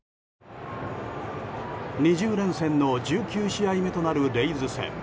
２０連戦の１９試合目となるレイズ戦。